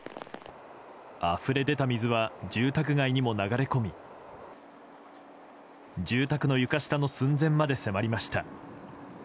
あふれ出た水は住宅街にも流れ込み住宅の床下の寸前まで迫りました。